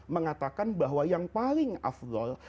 mengatakan bahwa yang paling afdol